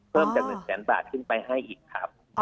เพิ่มจาก๑แสนบาทขึ้นไปให้อีกครับ